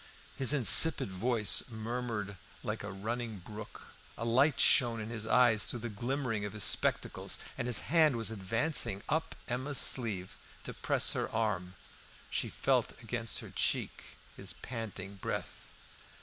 His insipid voice murmured like a running brook; a light shone in his eyes through the glimmering of his spectacles, and his hand was advancing up Emma's sleeve to press her arm. She felt against her cheek his panting breath.